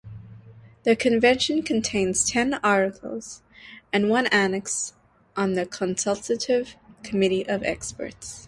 The Convention contains ten articles and one Annex on the Consultative Committee of Experts.